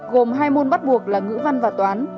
gồm hai môn bắt buộc là ngữ văn và toán